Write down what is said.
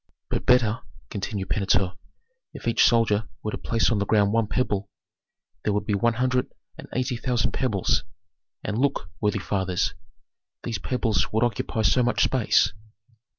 "But better," continued Pentuer, "if each soldier were to place on the ground one pebble, there would be one hundred and eighty thousand pebbles; and, look, worthy fathers, these pebbles would occupy so much space."